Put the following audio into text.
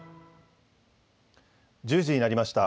１０時になりました。